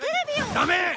ダメ！